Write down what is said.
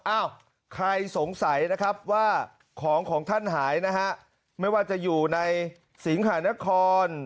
อ้าวใครสงสัยนะครับว่าของของท่านหายนะฮะไม่ว่าจะอยู่ในสิงหานคร